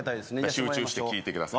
集中して聞いてください